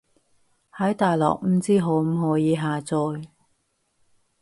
喺大陸唔知可唔可以下載